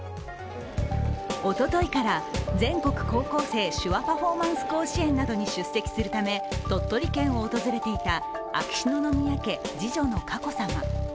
おとといから全国高校生手話パフォーマンス甲子園などに出席するため鳥取県を訪れていた秋篠宮家・次女の佳子さま。